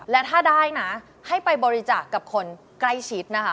และถ้าได้นะให้ไปบริจาคกับคนใกล้ชิดนะคะ